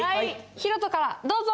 ひろとからどうぞ！